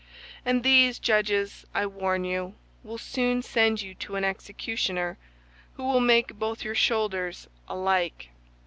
And these judges, I warn you, will soon send you to an executioner who will make both your shoulders alike."